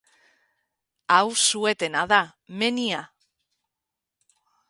Hau su-etena da, menia.